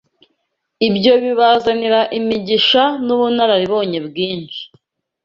ibyo bibazanira imigisha n’ubunararibonye bwinshi